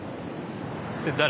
誰？